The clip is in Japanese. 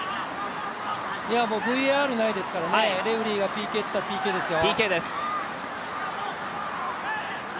いや、ＶＡＲないですから、レフェリーがＰＫといったらＰＫですよ。